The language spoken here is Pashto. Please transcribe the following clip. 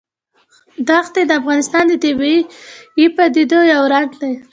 ښتې د افغانستان د طبیعي پدیدو یو رنګ دی.